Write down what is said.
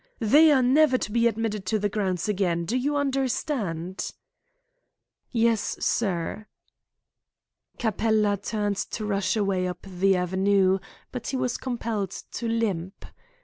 "They are never to be admitted to the grounds again. Do you understand?" "Yes, sir." Capella turned to rush away up the avenue, but he was compelled to limp. Mrs.